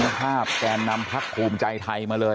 ภาพแกนนำพักภูมิใจไทยมาเลย